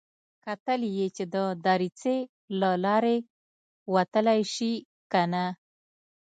کتل يې چې د دريڅې له لارې وتلی شي که نه.